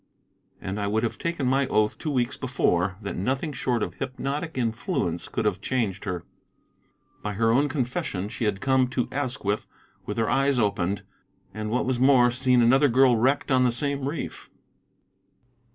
And I would have taken my oath, two weeks before, that nothing short of hypnotic influence could have changed her. By her own confession she had come to Asquith with her eyes opened, and, what was more, seen another girl wrecked on the same reef.